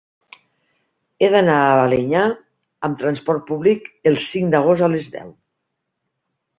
He d'anar a Balenyà amb trasport públic el cinc d'agost a les deu.